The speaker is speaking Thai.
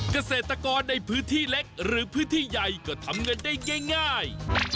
เกษตรกรในพื้นที่เล็กหรือพื้นที่ใหญ่ก็ทำเงินได้ง่าย